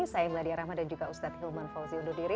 saya meladia rahma dan juga ustadz hilman fauzi undur diri